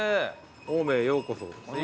青梅へようこそ。